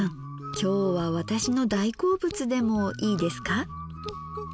今日は私の大好物でもいいですか。